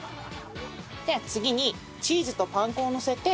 では次にチーズとパン粉をのせて。